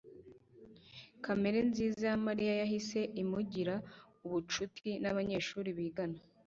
kamere nziza ya mariya yahise imugira ubucuti nabanyeshuri bigana